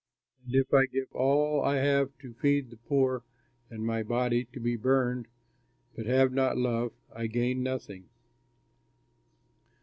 And if I give all I have to feed the poor and my body to be burned, but have not love, I gain nothing.